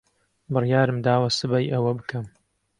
بڕیارم داوە سبەی ئەوە بکەم.